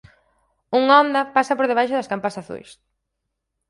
Unha onda pasa por debaixo das campás azuis.